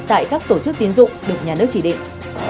tại các tổ chức tiến dụng được nhà nước chỉ định